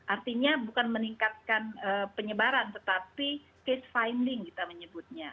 artinya bukan meningkatkan penyebaran tetapi case finding kita menyebutnya